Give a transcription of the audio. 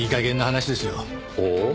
ほう。